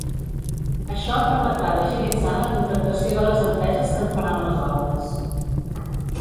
Això permetrà d’agilitar la contractació de les empreses que en faran les obres.